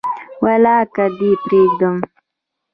ولاکه دي پریږدم